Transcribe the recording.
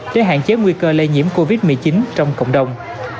để hạn chế nguy cơ lây nhiễm covid một mươi chín trong cộng đồng